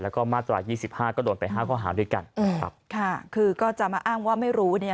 แล้วก็มาตรายี่สิบห้าก็โดนไปห้าข้อหาด้วยกันนะครับค่ะคือก็จะมาอ้างว่าไม่รู้เนี่ย